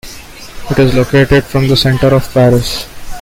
It is located from the centre of Paris.